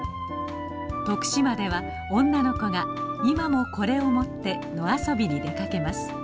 徳島では女の子が今もこれを持って野遊びに出かけます。